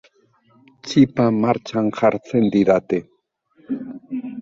Txipa martxan jartzen didate.